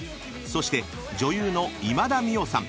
［そして女優の今田美桜さん］